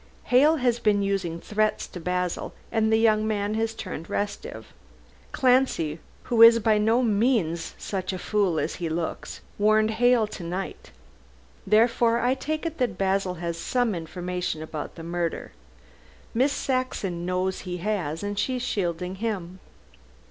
Hale has been using threats to Basil, and the young man has turned restive. Clancy, who is by no means such a fool as he looks, warned Hale to night. Therefore I take it, that Basil has some information about the murder. Miss Saxon knows he has, and she is shielding him."